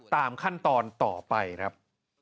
ตามขั้นตอนต่อไปครับ